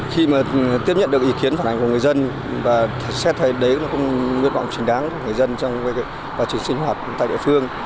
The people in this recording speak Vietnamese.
khi mà tiếp nhận được ý kiến phản ảnh của người dân và xét thấy đấy là nguyện vọng chính đáng của người dân trong quá trình sinh hoạt tại địa phương